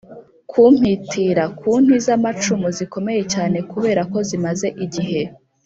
ku mpitira: ku nti z’amacumu zikomeye cyane kubera ko zimaze igihe,